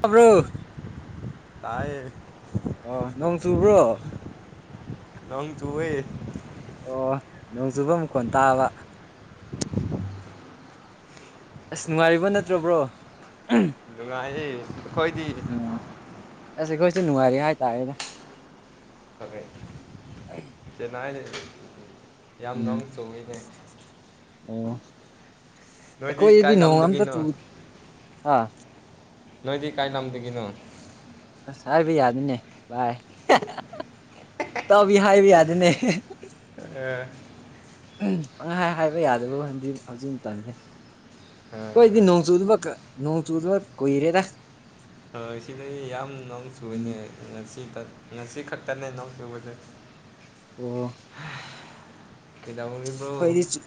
ꯈꯕ꯭ꯔꯨ ꯇꯥꯏ ꯑꯣ ꯅꯣꯡ ꯆꯨꯕ꯭ꯔꯣ ꯂꯪ ꯇꯨ ꯑꯣꯏꯣꯏ ꯑꯣ ꯅꯣꯡ ꯆꯨꯐꯝ ꯑꯃꯨꯛ ꯀꯣꯟ ꯇꯥꯕ ꯑꯁ ꯅꯨꯡꯉꯥꯏꯔꯤꯕ ꯅꯠꯇ꯭ꯔ ꯕ꯭ꯔꯣ ꯅꯨꯉꯁꯤ ꯈꯣꯏꯗꯤ ꯑꯁ ꯑꯩꯈꯣꯏꯁꯨ ꯅꯨꯡꯉꯥꯏꯔꯤ ꯍꯥꯏꯇꯥꯔꯦꯗ ꯀꯥꯏꯅ ꯂꯩ ꯌꯥꯝ ꯅ ꯎꯝ ꯆꯣꯡꯉꯤꯅꯦ ꯑꯣ ꯅꯣꯏꯗꯤ ꯀꯣꯏ ꯌꯗꯤ ꯀꯥꯏ ꯅꯣꯡ ꯑ ꯂꯝꯗꯒꯤꯅꯣ ꯇ ꯍꯥ ꯅꯣꯏꯗꯤꯗꯒꯤ ꯀꯥꯏ ꯂꯝ ꯑꯃꯗꯒꯤ ꯀꯅꯣ ꯑꯁ ꯍꯥꯏꯕ ꯌꯥꯗꯤꯅꯦ ꯚꯏ ꯇꯕꯤ ꯍꯥꯏꯕ ꯌꯥꯗꯅꯦ ꯑ ꯄꯪꯍꯥꯏ ꯍꯥꯏꯕ ꯌꯥꯗꯕ ꯋꯥꯟꯗꯤ ꯍꯧꯖꯤꯛ ꯃꯇꯝꯅꯤ ꯀꯣꯏꯗꯤ ꯑꯥ ꯅꯣꯡꯆꯨꯗꯕ ꯅꯣꯡꯆꯨꯗꯕ ꯀꯣꯏꯔꯦꯗ ꯁꯤꯗ ꯑꯩ ꯌꯥꯝ ꯅꯣꯡ ꯎꯝ ꯁꯨꯕꯅꯦ ꯁꯤ ꯉꯁꯤ ꯈꯛꯇꯅꯦ ꯅꯧ ꯌꯨꯕꯁꯦ ꯑꯣ ꯀꯩꯗꯧꯔꯤꯕ꯭ꯔꯣ ꯑꯩꯈꯣꯏꯗꯤ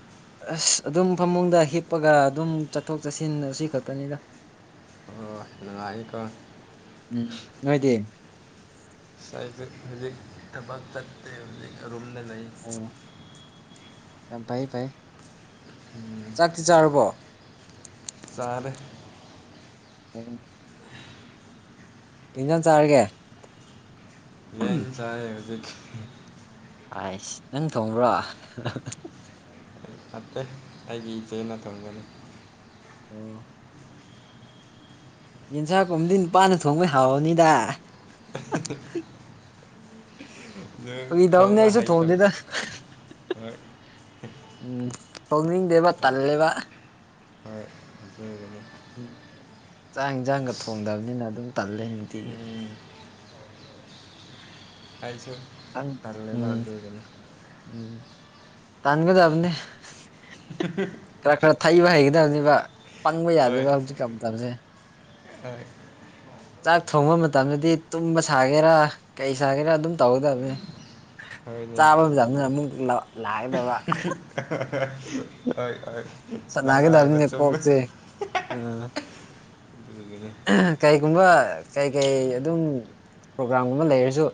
ꯑ ꯑꯗꯨꯝ ꯐꯃꯨꯡꯗ ꯍꯤꯞꯄꯒ ꯑꯗꯨꯝ ꯆꯠꯊꯣꯛ ꯆꯠꯁꯤꯟ ꯑꯁꯤ ꯈꯛꯇꯅꯤꯗ ꯑꯣ ꯂꯉꯍꯤꯀ ꯎ ꯅꯣꯏꯗꯤ ꯍꯧꯖꯤ ꯇꯕꯛ ꯇ ꯍꯧꯖꯤ ꯔꯨꯝꯅ ꯑꯣ ꯌꯥꯝ ꯐꯩ ꯐꯩ ꯎꯝ ꯆꯥꯛꯇꯤ ꯆꯥꯨꯔꯕꯣ ꯇꯔ ꯎꯝ ꯏꯤꯟꯖꯟ ꯆꯥꯔꯒꯦ ꯌꯦꯟ ꯆꯥꯌꯦ ꯍꯥꯖꯤꯛ ꯑꯥꯏꯁ ꯅꯪ ꯊꯣꯡ꯭ꯔꯣ ꯅꯠꯇꯦ ꯑꯩꯒꯤ ꯏꯆꯦꯅ ꯊꯝꯒꯅꯤ ꯑꯣ ꯌꯦꯟꯁꯥꯡꯀꯨꯝꯝꯗꯤ ꯅꯨꯄꯥꯅ ꯊꯣꯡꯕꯩ ꯍꯥꯎꯋꯅꯤꯗ [unintelligible] ꯅꯪ ꯑꯩ ꯏꯗꯕꯅꯦ ꯊꯣꯡꯕ ꯑꯩꯁꯨ ꯍꯩꯇꯕ ꯊꯣꯡꯗꯦꯗ ꯍꯣꯏ ꯎꯝ ꯐꯧꯅꯤꯡꯗꯦꯕ ꯇꯜꯂꯦꯕ ꯑꯗꯨ ꯑꯗꯨꯅꯦ [inaudible] ꯎꯝ ꯆꯥꯛ ꯏꯟꯁꯥꯡꯒ ꯊꯣꯡꯗꯕꯅꯤꯅ ꯑꯗꯨꯝ ꯇꯜꯂꯦ ꯅꯨꯡꯇꯤꯒꯤ ꯎꯝ ꯑꯩꯁꯨ ꯇꯜꯂꯦꯗ ꯎꯝ ꯑꯗꯨꯒꯤꯅꯤ ꯎꯝ ꯇꯥꯟꯒꯕꯅꯦ [unintelligible] ꯊꯩꯕ ꯍꯩꯒꯗꯕꯅꯦꯕ ꯄꯪꯕ ꯍꯣꯏ ꯌꯥꯗꯦꯕ ꯍꯧꯖꯤꯛ ꯀ ꯇꯧꯔꯤꯁꯦ ꯍꯣꯏ ꯆꯥꯛ ꯊꯣꯡꯕ ꯃꯇꯝꯗꯗꯤ ꯇꯨꯝꯕ ꯁꯥꯒꯦꯔꯥ ꯀꯩ ꯁꯥꯒꯦꯔꯥ ꯑꯗꯨꯝ ꯇꯧꯒꯗꯕꯅꯤ ꯍꯣꯏꯅꯦ ꯆꯥꯕ ꯆꯗꯅ ꯑꯃꯨ ꯍꯣꯏ ꯍꯣꯏ ꯂꯪꯅꯕ ꯁꯥꯟꯅꯒꯗꯕꯅꯤꯅ ꯆꯨꯝꯕ ꯀꯣꯛꯁꯦ ꯎꯝ ꯀꯩꯒꯨꯝꯕ ꯀꯩ ꯀꯩ ꯑꯗꯨꯝ ꯄ꯭ꯔꯣꯒ꯭ꯔꯥꯝꯒꯨꯝꯕ ꯂꯩꯔꯁꯨ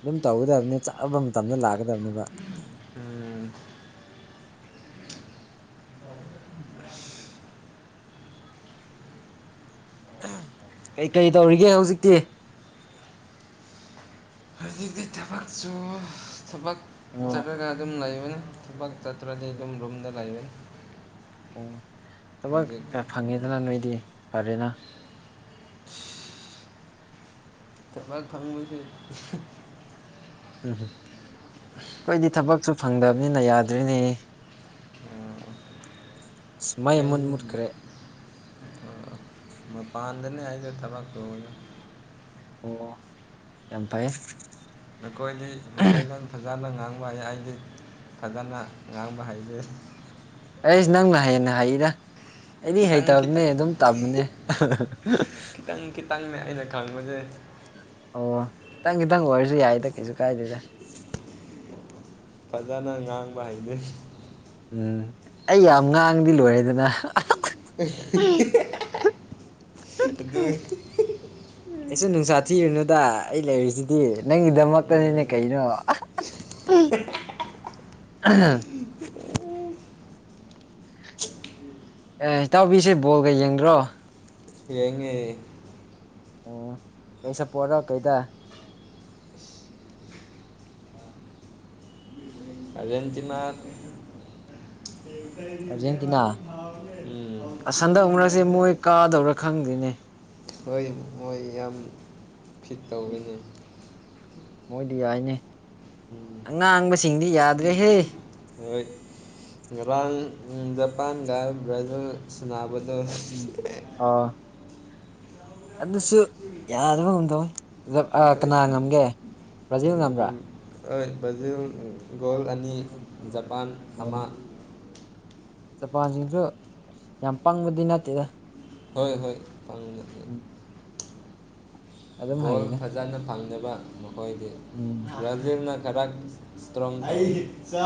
ꯑꯗꯨꯝ ꯇꯧꯒꯗꯕꯅꯤ ꯆꯥꯐꯝ ꯃꯇꯝꯝꯗ ꯂꯥꯛꯀꯗꯕꯅꯦꯕ ꯎ ꯀꯩ ꯀꯔꯤ ꯇꯧꯔꯤꯒꯦ ꯍꯧꯖꯤꯛꯇꯤ ꯊꯕꯛꯁꯨꯨ ꯊꯕꯛ ꯎꯝ ꯆꯠꯂꯒ ꯑꯗꯨꯝ ꯂꯩꯕꯅꯤ ꯊꯕꯛ ꯇ꯭ꯔ ꯂ ꯑꯗꯨꯝ ꯨꯝꯗꯂꯌꯦ ꯑꯣ ꯊꯕꯛ ꯍꯧꯖꯤꯛ ꯐꯪꯉꯦꯗꯅ ꯅꯣꯏꯗꯤ ꯐꯔꯦꯅ ꯊꯕꯥꯛ ꯐꯥꯉꯣꯏꯁ ꯎꯝ ꯑꯩꯈꯣꯏꯗꯤ ꯊꯕꯛꯁꯨ ꯐꯪꯗꯕꯅꯤꯅ ꯌꯥꯗ꯭ꯔꯤꯅꯦ ꯑꯣ ꯑꯁ ꯃꯥꯏ ꯃꯨꯠ ꯃꯨꯠꯈ꯭ꯔꯦ ꯃꯄꯥꯟꯗꯅꯤ ꯍꯥꯏꯗ ꯊꯕ ꯇꯗ ꯑꯣ ꯌꯥꯝ ꯐꯥꯏ ꯅꯈꯣꯏꯗꯤ ꯃꯩꯇꯩꯂꯣꯟ ꯐꯖꯅ ꯉꯥꯡ ꯉꯥꯡꯕ ꯍꯩ ꯑꯩꯗꯤ ꯐꯖꯅ ꯉꯥꯡꯕ ꯍꯩꯖꯦ ꯑꯩꯁ ꯅꯪꯅ ꯍꯥꯏꯌꯦꯅ ꯍꯥꯏꯔ ꯑꯩꯗꯤ ꯈꯤꯇꯪ ꯍꯩꯇꯕꯅꯦ ꯈꯤꯇꯪ ꯑꯗꯨꯝ ꯇꯝꯕꯅꯦ ꯈꯥꯡꯕꯁꯦ ꯑꯣ ꯈꯤꯇꯪ ꯈꯤꯇꯪ ꯑꯣꯏꯔꯁꯨ ꯌꯥꯏꯗ ꯀꯩꯁꯨ ꯀꯥꯏꯗꯦꯗ ꯐꯖꯅ ꯉꯥꯡꯕ ꯍꯅꯩ ꯎꯝ ꯑꯩ ꯌꯥꯝ ꯉꯥꯡꯗꯤ ꯂꯣꯏꯔꯦꯗꯅ ꯑ ꯑꯩꯁꯨ ꯅꯨꯡꯁꯥ ꯊꯤꯔꯤꯅꯨꯗ ꯑꯩ ꯂꯩꯔꯤꯁꯤꯗꯤ ꯅꯪꯒꯤꯗꯃꯛꯇꯅꯤꯅꯦ ꯎꯝ ꯀꯩꯅꯣ ꯎꯝ ꯑꯦ ꯏꯇꯥꯎꯕꯤꯁꯦ ꯕꯣꯜꯒ ꯌꯦꯡꯗ꯭ꯔꯣ ꯌꯦꯡꯉꯦ ꯑꯣ ꯀꯩꯁꯄꯣꯔꯠꯔꯣ ꯀꯩꯗ [inaudible] ꯑꯇꯃ ꯑꯔꯖꯦꯟꯇꯤꯅꯥ ꯎꯝ ꯑꯁꯟꯗꯛ ꯑꯃꯛꯁꯤꯦ ꯃꯣꯏ ꯀꯥꯗꯧꯔꯥ ꯈꯪꯗ꯭ꯣꯏꯅꯦ ꯍꯣꯏ ꯃꯣꯏ ꯌꯥꯝ ꯐꯤꯠ ꯎꯝ ꯇꯧꯤꯅꯤ ꯃꯣꯏꯗꯤ ꯌꯥꯏꯅꯦ ꯑꯉꯥꯡꯕꯁꯤꯡꯗꯤ ꯌꯥꯗ꯭ꯔꯦꯍꯦ ꯔꯥꯡ ꯖꯄꯥꯟ ꯭ꯔꯥꯖꯤꯜ ꯁꯅꯥ ꯃꯗꯨ ꯎꯝ ꯑꯣ ꯑꯗꯨꯁꯨ ꯌꯥꯗꯕ ꯉꯝꯗꯧ ꯍꯣꯏ ꯀꯅꯥ ꯉꯝꯒꯦ ꯭ꯔꯖꯤꯜ ꯑꯃꯥ ꯍꯣꯏ ꯕ꯭ꯔꯖꯤꯜ ꯒꯣꯜ ꯑꯅꯤ ꯖꯄꯥꯟ ꯑꯣ ꯍꯥꯃꯥ ꯖꯄꯥꯟꯁꯤꯡꯁꯨ ꯌꯥꯝ ꯄꯪꯕꯗꯤ ꯅꯠꯇꯦꯗ ꯍꯣꯏ ꯍꯣꯏ ꯐꯪꯣ ꯎꯝ ꯑꯗꯨꯝ ꯍꯩꯗ ꯐꯖꯅ ꯐꯪ ꯕ ꯃꯈꯣꯏꯗꯤ ꯎꯝ ꯔꯔꯅꯥ ꯑꯩ ꯆ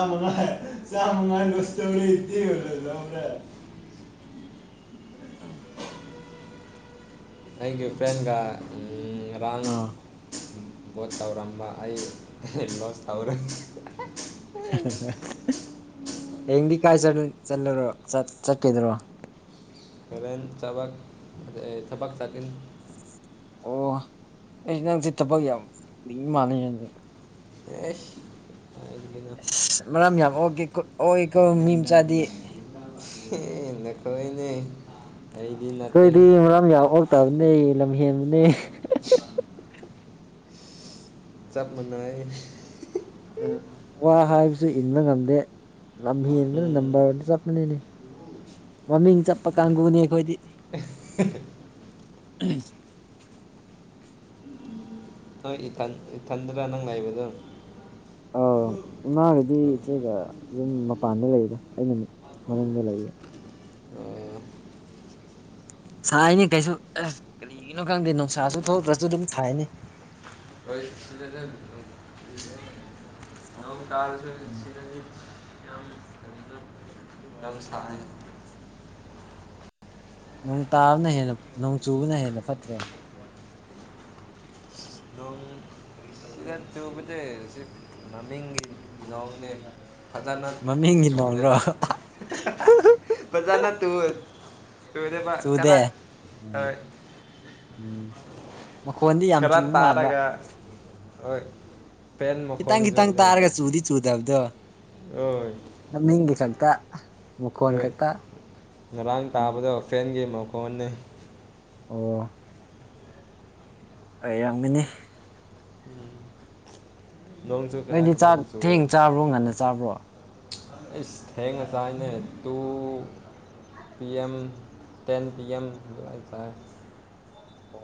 ꯆꯥꯃꯉ ꯂꯁ ꯇꯧꯔꯤ ꯏꯂꯔ ꯑꯝ ꯊꯀꯤꯌꯨ ꯐꯦꯟ ꯀ ꯎ ꯔꯥꯡ ꯑꯥ ꯕꯣꯠ ꯇꯧꯔꯝꯕ ꯑꯩ ꯂꯣꯁ ꯇꯧꯔꯦ ꯑꯦꯡꯗꯤ ꯀꯥꯏ ꯆ ꯆꯠꯂꯔꯣ ꯆꯠꯀꯗꯔꯣ ꯀꯔꯦꯟ ꯆꯕꯥ ꯆꯕꯥꯛ ꯆꯀ ꯑꯣ ꯅꯁꯤ ꯊꯕꯛ ꯌꯥꯝ ꯃꯥꯅꯤ ꯑꯦ ꯑꯁ ꯃꯔꯝ ꯌꯥꯝ ꯑꯣꯒꯦ ꯑꯣꯏꯦꯀꯣ ꯃꯤ ꯃꯆꯥꯗꯤ ꯑꯦꯈꯣꯏꯅꯦ ꯑꯩꯈꯣꯏꯗꯤ ꯃꯔꯝ ꯌꯥꯎꯛꯇꯥꯕꯅꯦ ꯂꯝꯍꯦꯟꯕꯅꯦ ꯆꯞ ꯃꯅꯉ ꯁ ꯏꯟꯕ ꯉꯝꯗꯦ ꯂꯝ ꯍꯟꯕꯅ ꯎꯝ ꯅꯝꯕꯔꯗꯤ ꯆꯠꯄꯅꯤꯅꯦ ꯋꯥꯔꯃꯤꯡ ꯆꯠꯄ ꯀꯥꯟꯒꯕꯨꯅꯤ ꯑꯩꯈꯣꯏꯗꯤ [inaudible] ꯎꯝ ꯍꯣꯏ ꯏꯊ ꯏꯊꯟꯗꯔꯥ ꯅꯪ ꯂꯩꯕꯗꯣ ꯑ ꯏꯃꯥꯒꯗꯤ ꯏꯆꯦꯒ ꯑꯗꯨꯝ ꯃꯄꯥꯟꯗ ꯂꯩꯗ ꯑꯩꯅ ꯃꯔꯝ ꯂꯩꯏꯕ ꯑꯣ ꯁꯥꯏꯅꯤ ꯀꯩꯁꯨ ꯂꯝꯀꯪꯗꯦ ꯅꯨꯡꯁꯥꯁꯨ ꯊꯣꯛꯇ꯭ꯔꯁꯨ ꯑꯗꯨꯝ ꯊꯥꯏꯅꯤ ꯅ ꯀꯥꯔꯁ ꯎꯝ ꯁꯤꯔꯟꯖꯤ ꯌꯥꯝꯕ ꯁꯔ ꯎꯝ ꯅꯣꯡ ꯇꯥꯕꯅ ꯍꯦꯟꯅ ꯅꯣꯡ ꯆꯨꯕꯅ ꯍꯦꯟꯅ ꯐꯠꯇ꯭ꯔꯣꯏ ꯑꯗꯨꯝ ꯁꯤ ꯇꯕꯠꯇꯦ ꯁꯤ ꯅꯃꯤꯒꯦ ꯌꯥꯅꯦ ꯐꯖꯅ ꯃꯃꯤꯡꯒꯤ ꯅꯣꯡꯔꯣ ꯆꯨꯅꯦꯕ ꯐꯖꯥꯅ ꯇꯨ ꯍꯗ ꯄ ꯆꯨꯗꯦ ꯀꯗꯥ ꯑ ꯑ ꯎꯝ ꯃꯈꯣꯟꯗꯤ ꯌꯥꯝ ꯈꯔ ꯆꯨꯕ ꯃꯥꯟꯕ ꯇꯥꯔꯒ ꯍꯣꯏ ꯐꯦꯟ ꯈꯤꯇꯪ ꯈꯤꯇꯪ ꯃꯈꯣꯟꯁꯨꯅꯦ ꯇꯥꯔꯒ ꯆꯨꯗꯤ ꯆꯨꯗꯕꯗꯣ ꯍꯣꯏ ꯅꯅꯤꯡꯒꯤ ꯈꯛꯇ ꯃꯈꯣꯟ ꯍꯣꯏ ꯈꯛꯇ ꯉꯔꯥꯡ ꯎꯝ ꯇꯥꯕꯗ ꯐ꯭ꯔꯦꯟꯒꯤ ꯃꯈꯣꯟꯅꯤ ꯑꯣ ꯑꯩ ꯌꯥꯝꯃꯤꯅꯤ ꯎꯝ ꯅꯣꯏꯗꯤ ꯆ ꯊꯦꯡ ꯆꯥꯕ꯭ꯔꯣ ꯉꯟꯅ ꯆꯥꯕ꯭ꯔꯣ ꯏꯁ ꯊꯦꯡꯉꯁꯥꯏꯅꯦ ꯇꯨ ꯄꯤꯑꯦꯝ ꯇꯦꯟ ꯄꯤꯑꯦꯝꯇꯥ ꯎ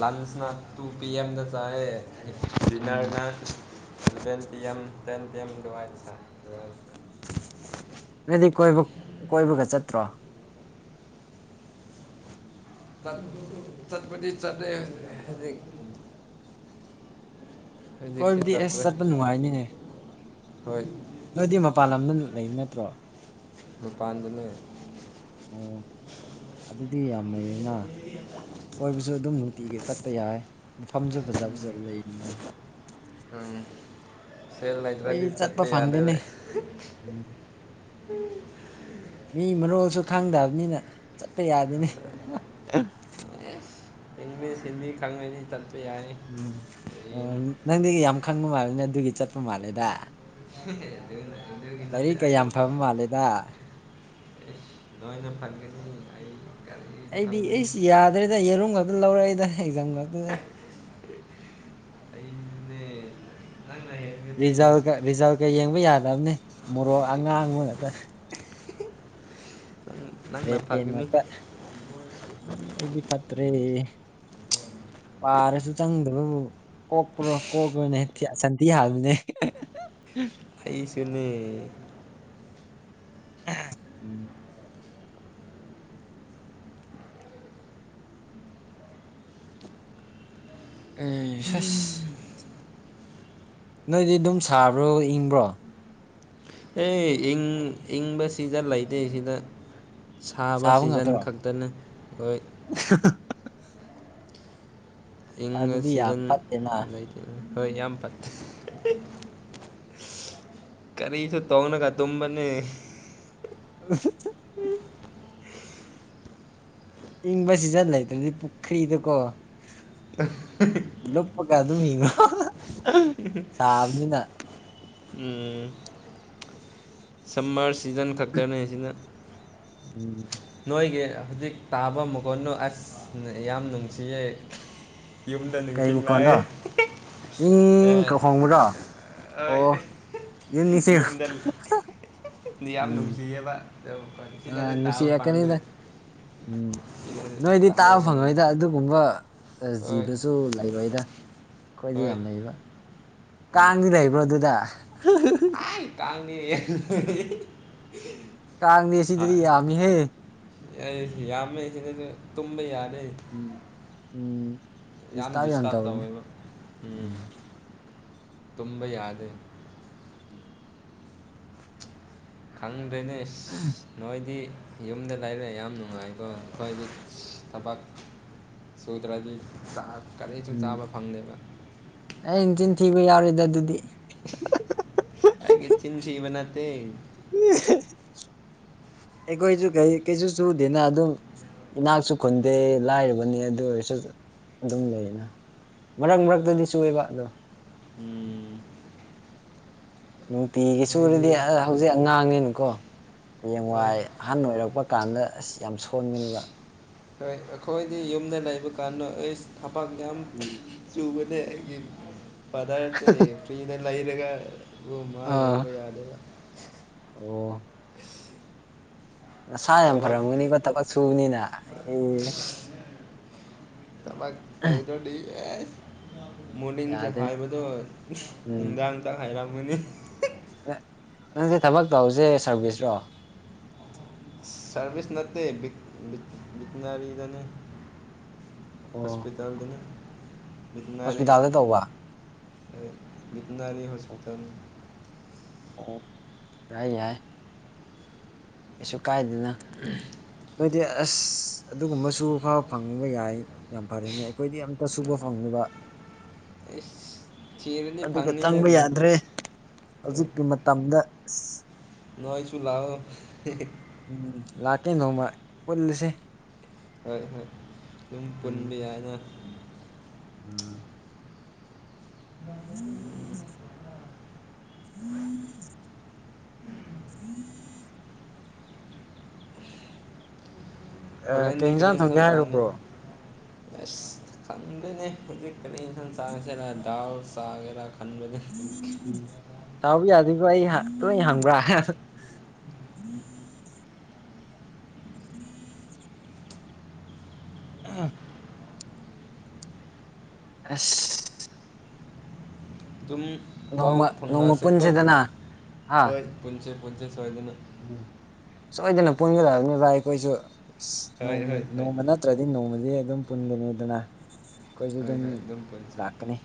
ꯂꯟꯁꯅ ꯇꯨ ꯄꯤ ꯑꯦꯝꯗ ꯆꯥꯏꯦ ꯎꯝ ꯗꯤꯟꯅꯔꯅ van P M ten PM ꯗꯨ ꯅꯣꯏꯗꯤ ꯀꯣꯏꯕ ꯀꯣꯏꯕꯒ ꯆꯠꯇ꯭ꯔꯣ ꯠ ꯆꯠꯄ ꯆ ꯎꯝ ꯍꯧꯖꯤꯛꯁꯦ ꯀꯣꯏꯕꯨꯗꯤ ꯑꯁ ꯆꯠꯇ꯭ꯔꯦ ꯆꯠꯄ ꯅꯨꯡꯉꯥꯏꯅꯤꯅꯦ ꯍꯣꯏ ꯅꯣꯏꯗꯤ ꯃꯄꯥꯟ ꯂꯝꯗ ꯂꯩꯕ ꯅꯠꯇ꯭ꯔꯣ ꯅꯨꯅꯤꯄꯥꯥꯟꯗꯅꯦ ꯑꯣ ꯑꯗꯨꯗꯤ ꯌꯥꯝ ꯂꯩꯌꯦꯦꯅ ꯀꯣꯏꯕꯁꯨ ꯑꯗꯨꯝ ꯅꯨꯡꯇꯤꯒꯤ ꯆꯠꯄ ꯌꯥꯏ ꯃꯐꯝꯁꯨ ꯐꯖ ꯐꯖꯕ ꯂꯩꯅꯤꯅ ꯎꯝ ꯁ ꯃꯩꯗꯔꯗꯤ ꯑꯩꯈꯣꯏꯗꯤ ꯆꯠꯄ ꯆꯠꯄꯤ ꯌꯥꯅꯦ ꯐꯪꯗꯦꯅꯦ ꯃ ꯎꯝ ꯃꯤ ꯃꯔꯣꯜꯁꯨ ꯈꯥꯡꯗꯕꯅꯤꯅ ꯆꯠꯄ ꯌꯥꯗꯅꯤ ꯑꯦꯁ ꯏꯪꯂꯤꯁ ꯍꯤꯟꯤ ꯀꯪꯅꯤ ꯇꯔ ꯎꯝ ꯑꯣ ꯅꯪꯗꯤ ꯌꯥꯝ ꯈꯪꯕ ꯃꯥꯜꯂꯦꯅꯦ ꯑꯗꯨꯒꯤ ꯆꯠꯄ ꯃꯥꯜꯂꯦꯗ ꯊ ꯂꯥꯏꯔꯤꯛ ꯀ ꯌꯥꯝ ꯐꯕ ꯃꯥꯜꯂꯦꯗ ꯑꯦ ꯅꯣꯏꯅ ꯐꯠꯒꯦꯁꯤ ꯑꯩ ꯀꯔꯤꯁꯨ ꯑꯩꯗꯤ ꯈꯪꯗꯦ ꯑꯩꯁꯤ ꯌꯥꯗ꯭ꯔꯦꯗ ꯌꯦꯔꯨꯝ ꯈꯛꯇ ꯂꯧꯔꯛꯏꯗ ꯑꯦꯛꯖꯥꯝ ꯂꯥꯛꯗꯏ ꯏ ꯔꯤꯖꯜꯀ ꯔꯤꯖꯜꯀ ꯌꯦꯡꯕ ꯌꯥꯗꯕꯅꯦ ꯃꯣꯔꯣꯛ ꯑꯉꯥꯡꯕ ꯉꯥꯛꯇ ꯅꯪ ꯔꯦ ꯅꯪꯅ ꯐꯒꯅꯤ ꯄꯦꯄꯥ ꯏꯗꯤ ꯐꯠꯇꯦ [unintelligible] ꯋꯥꯥꯔꯁꯨ ꯆꯪꯗ꯭ꯔꯣ ꯀꯣꯛꯄ꯭ꯔꯣ ꯀꯣꯛꯄ꯭ꯔꯣꯅꯦ ꯁꯟꯊꯤ ꯍꯥꯕꯅꯦ ꯑꯩꯁꯨꯅꯦ ꯎꯝ ꯎ ꯁꯁ ꯅꯣꯏꯗꯤ ꯑꯗꯨꯝ ꯁꯥꯕ꯭ꯔꯣ ꯏꯪꯕ꯭ꯔꯣ ꯑꯦꯪ ꯏꯪꯕꯁꯤꯗ ꯂꯩꯇꯦ ꯁꯤꯗ ꯁꯥꯕ ꯁꯤꯖꯟ ꯈꯛꯇꯅ ꯍꯣꯏ [unintelligible] ꯏꯪꯒ ꯑꯗꯨꯗꯤ ꯌꯥꯝ ꯁꯤꯖꯟ ꯐꯠꯇꯦꯅ ꯂꯩꯇ ꯍꯣꯏ ꯌꯥꯝ ꯐꯠꯇꯦ ꯀꯔꯤꯁꯨ ꯇꯧꯅꯒ ꯇꯝꯕꯅꯤ [inaudible] ꯏꯪꯕ ꯁꯤ ꯆꯠ ꯂꯩꯇ꯭ꯔꯗꯤ ꯄꯨꯈ꯭ꯔꯤꯗ ꯀꯣ ꯂꯨꯞꯄ ꯀꯗꯃꯤ ꯁꯥꯐꯅꯤꯗ ꯎꯝ ꯁꯝꯃꯔ ꯁꯤꯖꯟ ꯈꯛꯇꯅꯦ ꯁꯤꯅ ꯎꯝ ꯅꯣꯏꯒꯤ ꯍꯧꯖꯤꯛ ꯇꯥꯕ ꯃꯒꯣꯟꯅꯣ ꯑꯁ ꯌꯥꯝ ꯅꯨꯡꯁꯤꯌꯦꯩ ꯌꯨꯝꯗ ꯀꯩ ꯅꯤꯡꯊꯤ ꯂꯛꯑꯦ ꯃꯈꯣꯟꯔꯣ ꯏꯪ ꯑꯦ ꯀ ꯈꯣꯡꯕ꯭ꯔꯣ ꯍꯣꯏ ꯑꯣ ꯌꯨꯝ ꯅꯤꯡꯁꯤꯡ ꯌꯨꯝꯗ ꯃꯤ ꯌꯥꯝ ꯎꯝ ꯅꯨꯡꯁꯤꯌꯦꯕ ꯐꯁꯤꯗꯤ ꯑ ꯇꯥꯕ ꯄꯪ ꯅꯨꯡꯁꯤꯔꯛꯀꯅꯤꯗ ꯎꯝ ꯅꯣꯏꯗꯤ ꯇꯥꯕ ꯐꯪꯗꯦ ꯐꯪꯉꯣꯏꯗ ꯑꯗꯨꯒꯨꯝꯕ ꯑꯁ ꯍꯣꯏ ꯖꯤꯕꯁꯨ ꯂꯩꯔꯣꯏꯗ ꯑꯩꯈꯣꯏꯗꯤ ꯍꯣꯏ ꯌꯥꯝ ꯂꯩꯕ ꯀꯥꯡꯗꯤ ꯂꯩꯕ꯭ꯔꯣ ꯑꯗꯨꯗ ꯑ ꯀꯅꯤ ꯀꯥꯡꯗꯤ ꯁꯤꯗꯗꯤ ꯌꯥꯝꯃꯤꯍꯦ ꯌꯥꯝꯃꯦꯁꯤ ꯇꯨꯝꯝꯕ ꯌꯥ ꯎꯝ ꯎꯝ ꯌꯥꯝ ꯗꯤꯁꯇꯥꯔꯕ ꯇꯧꯋꯦꯕ ꯎꯝ ꯇꯨꯝꯝꯕ ꯌꯥꯗꯦ ꯎꯝ ꯈꯪꯗꯦꯅꯦ ꯅꯣꯏꯗꯤ ꯌꯨꯝꯗ ꯂꯥꯏꯔꯛ ꯌꯥꯝ ꯅꯨꯡꯉꯥꯏꯀꯣ ꯑꯩꯈꯣꯏꯒꯤ ꯊꯕꯛ ꯁꯨꯗ꯭ꯔꯗꯤ ꯀꯔꯤꯁꯨ ꯎꯝ ꯆꯥꯕ ꯐꯪꯗꯦꯕ ꯑꯩ ꯆꯤꯟ ꯊꯤꯕ ꯌꯥꯎꯔꯣꯏꯗ ꯑꯗꯨꯗꯤ ꯑꯩꯒꯤ ꯆꯤꯟ ꯊꯤꯕ ꯅꯠꯇꯦ ꯑꯩ ꯀꯣꯏꯁꯨ ꯀꯩ ꯀꯩꯁꯨ ꯁꯨꯗꯦꯅ ꯑ ꯑꯗꯨ ꯏꯅꯥꯛꯁꯨ ꯈꯨꯟꯗꯦ ꯂꯥꯏꯔꯕꯅꯤ ꯑꯗꯨ ꯑꯣꯏꯔꯁꯨ ꯑꯗꯨꯝ ꯂꯩꯅ ꯃꯔꯛ ꯃꯔꯛꯇꯗꯤ ꯁꯨꯑꯕꯠꯂꯣ ꯎꯝ ꯅꯨꯡꯇꯤꯒꯤ ꯅꯣꯏꯗꯤ ꯁꯨꯔꯗꯤ ꯑ ꯍꯧꯖꯤꯛ ꯑꯉꯥꯡꯅꯦꯅꯀꯣ ꯍꯣꯏ ꯍꯌꯦꯡꯋꯥꯏ ꯑꯍꯥꯟꯕ ꯑꯣꯏꯔꯛꯄ ꯀꯥꯟꯗ ꯑꯁ ꯌꯥꯝ ꯁꯣꯟꯒꯅꯦꯕ ꯍꯣꯏ ꯑꯩꯈꯣꯏꯗꯤ ꯌꯨꯝꯗ ꯂꯩꯕ ꯀꯥꯟꯅꯣ ꯑꯩ ꯊꯕꯥꯛ ꯌꯥꯝ ꯎꯝ ꯆꯨꯕ ꯄꯗ ꯐꯔꯤꯅꯦ ꯂꯥꯏꯔꯦꯒ ꯑꯣ ꯃꯥ ꯑꯥ ꯌꯦꯡꯕ ꯌꯥꯗꯦꯔ ꯑꯣ ꯅꯁꯥ ꯌꯥꯝ ꯐꯔꯝꯒꯅꯤꯀꯣ ꯊꯕꯛ ꯁꯨꯕꯅꯤꯅ ꯑꯦ ꯇꯃ ꯇꯕꯨꯗ ꯃꯣꯔꯅꯤꯡꯁꯦ ꯌꯥꯗꯦ ꯍꯥꯏꯕꯗꯣ ꯎꯝ ꯅꯨꯡꯗꯥꯡꯇ ꯍꯥꯏꯔꯃꯅꯤ ꯅꯪꯁꯦ ꯊꯕꯛ ꯇꯧꯁꯦ ꯁꯥꯔꯚꯤꯁꯔꯣ ꯁꯥꯔꯚꯤꯁ ꯅꯠꯇꯦ ꯕꯤ ꯇꯅꯔꯤꯗꯅꯤ ꯑꯣ ꯍꯁꯄꯤꯇꯥꯜꯗꯅꯦ ꯍꯣꯁꯄꯤꯇꯥꯜꯗ ꯇꯧꯕ ꯕꯤꯗꯅꯥꯂꯤ ꯑꯣ ꯍꯣꯁꯄꯤꯇꯥꯜ ꯑꯣ ꯌꯥꯏ ꯌꯥꯏ ꯀꯩꯁꯨ ꯀꯥꯏꯗꯦꯅ ꯅꯣꯏꯗꯤ ꯑꯁ ꯑꯗꯨꯒꯨꯝꯕꯁꯨ ꯐꯕ ꯐꯪꯕ ꯌꯥꯏ ꯌꯥꯝ ꯐꯔꯦꯅꯦ ꯑꯩꯈꯣꯏꯗꯤ ꯌꯥꯝꯇ ꯁꯨꯕ ꯐꯪꯕ ꯑꯦ ꯑꯗꯨꯒ ꯆꯪꯕ ꯌꯥꯗ꯭ꯔꯦ ꯍꯧꯖꯤꯛꯀꯤ ꯃꯇꯝꯗ ꯑ ꯅꯣꯏꯁꯨꯨ ꯂꯥꯛꯑꯣ ꯎꯝ ꯂꯥꯛꯀꯦ ꯅꯣꯡꯃ ꯄꯨꯜꯂꯁꯤ ꯍꯣꯏ ꯍꯣꯏ ꯁꯨꯝ ꯄꯨꯟꯕ ꯌꯥꯏꯅ ꯎꯝ ꯎꯝ ꯎꯝ ꯎꯝ ꯑꯦ ꯀꯩ ꯍꯣꯔꯦꯟꯗꯤ ꯌꯦꯟꯖꯥꯡ ꯊꯣꯡꯒꯦ ꯍꯥꯏꯔꯕ꯭ꯔꯣ ꯀꯗꯅꯦ ꯀ ꯎꯝ ꯊꯥꯎꯕꯤ ꯌꯥꯗ ꯑꯗꯨꯕꯨꯣ ꯑꯩ ꯇꯨꯡ ꯍꯪꯕ꯭ꯔꯥ ꯎꯝ ꯑ [inaudible] ꯑꯁ ꯑꯗꯨꯝ ꯄꯥꯎ ꯅꯣꯡꯃ ꯅꯣꯡꯃ ꯐꯣꯟꯟꯅꯁꯦ ꯀꯣ ꯄꯨꯟꯁꯤꯗꯅ ꯍꯣꯏ ꯄꯨꯟꯁꯦ ꯄꯨꯟꯁꯦ ꯁꯣꯏꯗꯅ ꯎ ꯁꯣꯏꯗꯅ ꯄꯒꯦ ꯂꯜꯅꯤ ꯥꯏ ꯀꯣꯏꯁꯨ ꯍꯣꯏ ꯅꯣꯡꯃ ꯍꯣꯏ ꯍꯣꯏ ꯅꯣꯡꯃ ꯅꯠꯇ꯭ꯔꯗꯤ ꯅꯣꯡꯃꯗꯤ ꯑꯗꯨꯝ ꯄꯨꯟꯒꯅꯤ ꯑꯗꯨꯅ ꯑꯩꯈꯣꯏꯁꯨ ꯍꯣꯏ ꯑꯗꯨꯝ ꯍꯣꯏ ꯄꯨꯟꯁꯦ ꯂꯥꯛꯀꯅꯤ